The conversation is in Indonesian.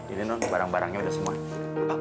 ini non barang barangnya udah semua